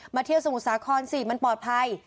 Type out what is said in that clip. เที่ยวสมุทรสาครสิมันปลอดภัย